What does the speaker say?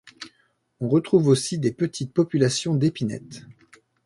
On retrouve aussi des petites population d'épinettes.